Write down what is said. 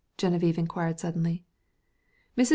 Geneviève inquired suddenly. Mrs.